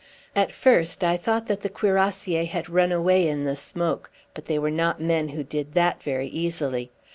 At first I thought that the cuirassiers had run away in the smoke; but they were not men who did that very easily.